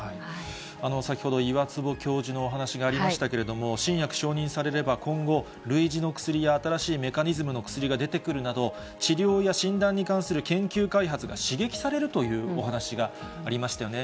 先ほど、岩坪教授のお話がありましたけれども、新薬承認されれば、今後、類似の薬や新しいメカニズムの薬が出てくるなど、治療や診断に関する研究開発が刺激されるというお話がありましたよね。